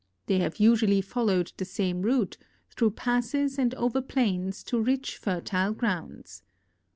They have usualh' followed the same route, through passes and over plains to rich fertile regions.